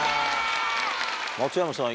松山さん